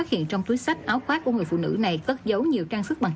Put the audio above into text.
tiền taxi và rác cũng hết